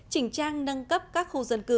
chỉnh trang nâng cấp các khu dân cư hiện hữu